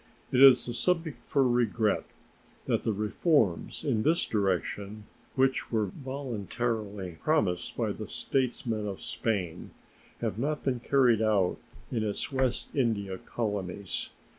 It is a subject for regret that the reforms in this direction which were voluntarily promised by the statesmen of Spain have not been carried out in its West India colonies.